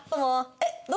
えっ！？